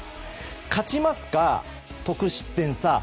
勝ちますか得失点差